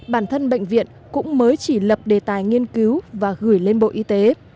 bản thân bệnh viện cũng mới chỉ lập đề tài nghiên cứu và gửi lên bộ y tế